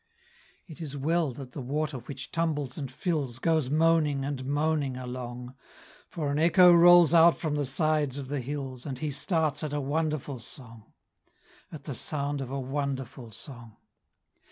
It is well that the water which tumbles and fills, Goes moaning and moaning along; For an echo rolls out from the sides of the hills, And he starts at a wonderful song At the sound of a wonderful song.